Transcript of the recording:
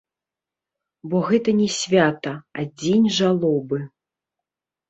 Бо гэта не свята, а дзень жалобы.